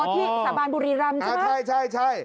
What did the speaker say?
อ๋อที่สาบานบุรีรัมณ์ใช่ไหมใช่